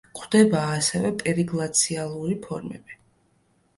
გვხვდება ასევე პერიგლაციალური ფორმები.